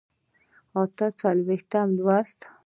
اته څلوېښتم لوست